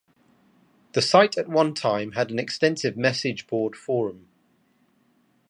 The site at one time had an extensive message-board forum.